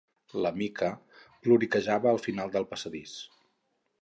La Mica ploriquejava al final del passadís.